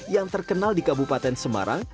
yang terkenal di kabupaten semarang